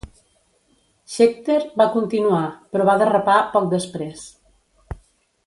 Scheckter va continuar, però va derrapar poc després.